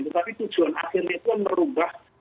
tetapi tujuan akhirnya itu merubah